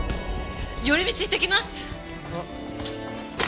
寄り道行ってきます！